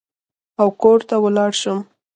او کور ته ولاړ شم.